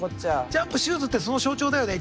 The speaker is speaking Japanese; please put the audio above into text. ジャンプシューズってその象徴だよね